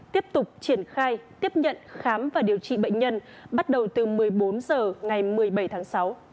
tiếp tục triển khai tiếp nhận khám và điều trị bệnh nhân bắt đầu từ một mươi bốn h ngày một mươi bảy tháng sáu